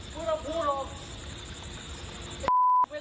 มึงจะมากับมึงเหรอ